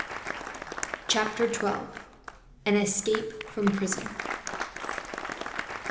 Chapter 12: An Escape From Prison.